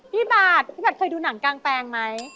พี่บาทพี่บาทเคยดูหนังกลางแปลงไหม